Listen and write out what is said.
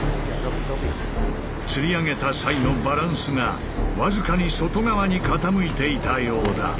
つり上げた際のバランスが僅かに外側に傾いていたようだ。